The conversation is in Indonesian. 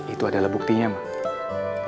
itu adalah buktinya mak